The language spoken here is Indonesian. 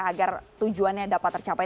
agar tujuannya dapat tercapai